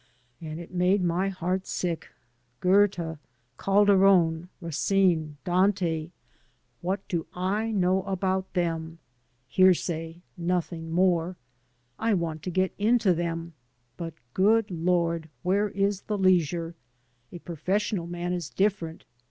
— ^and it made my heart sick. Goethe, Calderon, Racine, Dante, what do I know about them? Hearsay, nothing more. I want to get into them, but, good Lord! where is the leisure? A professional man is different.